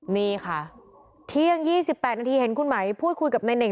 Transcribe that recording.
นี่ค่ะเที่ยง๒๘นาทีเห็นคุณไหมพูดคุยกับนายเน่ง